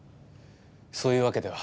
そういうわけでは。